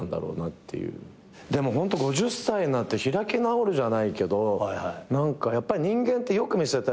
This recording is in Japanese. でもホント５０歳になって開き直るじゃないけど何かやっぱり人間ってよく見せたい。